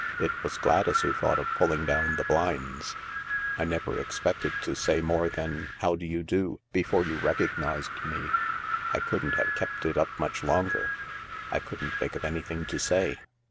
It was Gladys who thought of pulling down the blinds. I never expected to say more than, * How do you do ?' before you recognised me. I couldn't have kept it up much longer. I couldn't think of anything to say."